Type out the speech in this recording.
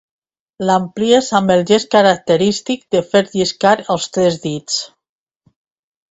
L'amplies amb el gest característic de fer lliscar els tres dits.